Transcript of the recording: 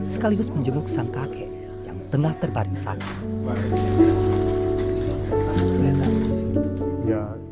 sekaligus menjemuk sang kakek yang tengah terbaris sakit